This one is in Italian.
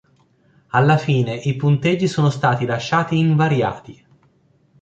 Alla fine i punteggi sono stati lasciati invariati.